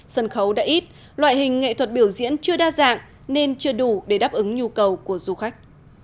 sân khấu đã ít loại hình nghệ thuật biểu diễn chưa đa dạng nên chưa đủ để đáp ứng nhu cầu của du khách